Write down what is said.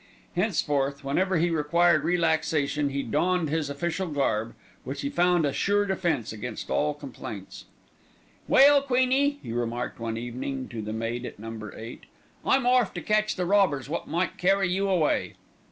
Henceforth, whenever he required relaxation, he donned his official garb, which he found a sure defence against all complaints. "Well, Queenie," he remarked one evening to the maid at Number Eight, "I'm orf to catch the robbers wot might carry you away."